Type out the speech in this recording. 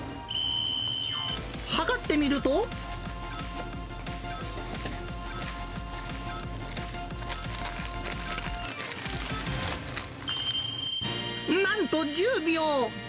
測ってみると、なんと１０秒。